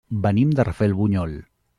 Venim de Rafelbunyol.